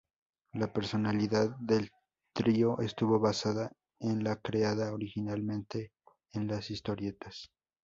La personalidad del trío estuvo basada en la creada originalmente en las historietas.